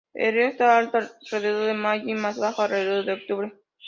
El río está alto alrededor de mayo y más bajo alrededor de octubre.